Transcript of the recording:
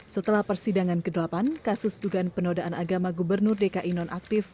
setelah persidangan ke delapan kasus dugaan penodaan agama gubernur dki nonaktif